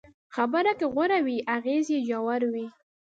خبره که غوره وي، اغېز یې ژور وي.